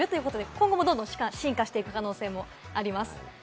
今後も進化していく可能性もあります。